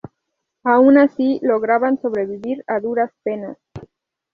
Aun así, lograban sobrevivir a duras penas.